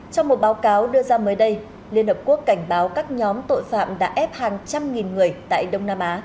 trong một báo cáo đưa ra mới đây liên hợp quốc cảnh báo các nhóm tội phạm đã ép hàng trăm nghìn người tại đông nam á